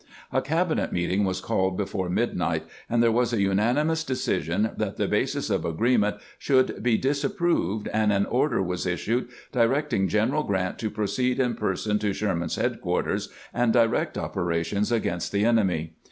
A cabinet meeting was called before midnight, and there was a unanimous decision that the basis of agi'eement should be disapproved, and an order was issued directing General Grant to proceed in person to Sherman's head quarters and direct operations against the enemy.